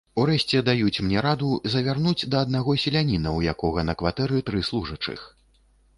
Урэшце даюць мне раду завярнуць да аднаго селяніна, у якога на кватэры тры служачых.